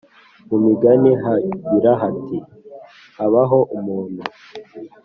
Mu Migani hagira hati Habaho umuntu